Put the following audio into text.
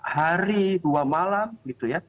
hari dua malam gitu ya